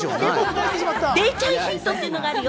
デイちゃんヒントっていうのがあるよ。